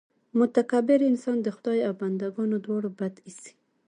متکبر انسان د خدای او بندګانو دواړو بد اېسي.